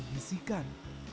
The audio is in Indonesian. ketika dia mendengar bisikan